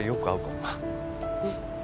うん。